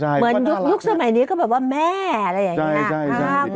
ใช่เพราะว่าน่ารักนะครับเหมือนยุคสมัยนี้ก็แบบว่าแม่อะไรอย่างนี้นะ